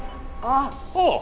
あっ！